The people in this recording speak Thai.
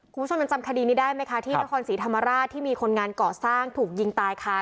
คุณผู้ชมยังจำคดีนี้ได้ไหมคะที่นครศรีธรรมราชที่มีคนงานเกาะสร้างถูกยิงตายค่ะ